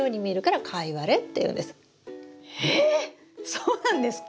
そうなんですか？